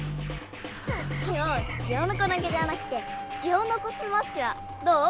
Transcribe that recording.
ソヨ「ジオノコ投げ」じゃなくて「ジオノコスマッシュ」はどう？